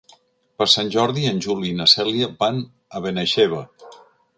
Per Sant Jordi en Juli i na Cèlia van a Benaixeve.